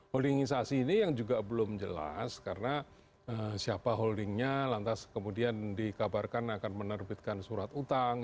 holdingisasi ini yang juga belum jelas karena siapa holdingnya lantas kemudian dikabarkan akan menerbitkan surat utang